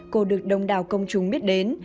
cô được đông đào công chúng biết đến